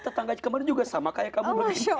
tetangga kemarin juga sama kayak kamu berdua